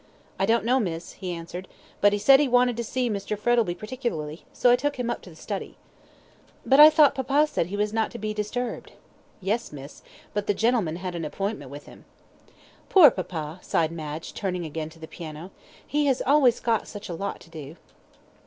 "I don't know, miss," he answered; "he said he wanted to see Mr. Frettlby particularly, so I took him up to the study." "But I thought that papa said he was not to be disturbed?" "Yes, miss, but the gentleman had an appointment with him." "Poor papa," sighed Madge, turning again to the piano. "He has always got such a lot to do."